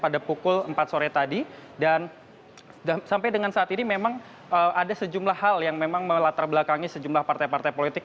pada pukul empat sore tadi dan sampai dengan saat ini memang ada sejumlah hal yang memang melatar belakangi sejumlah partai partai politik